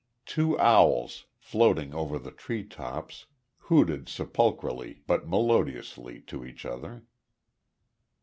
Two owls, floating over the tree tops, hooted sepulchrally but melodiously to each other.